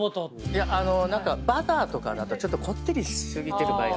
何かバターとかだとちょっとこってりし過ぎてる場合が。